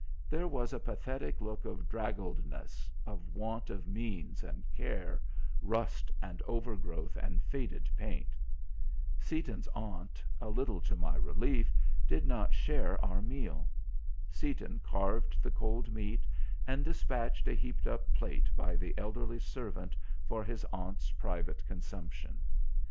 There was a pathetic look of draggledness, of want of means and care, rust and overgrowth and faded paint. Seaton's aunt, a little to my relief, did not share our meal. Seaton carved the cold meat, and dispatched a heaped up plate by the elderly servant for his aunt's private consumption.